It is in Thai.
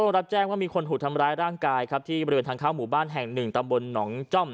รับแจ้งว่ามีคนถูกทำร้ายร่างกายครับที่บริเวณทางเข้าหมู่บ้านแห่งหนึ่งตำบลหนองจ้อม